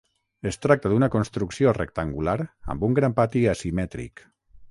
Es tracta d'una construcció rectangular amb un gran pati asimètric.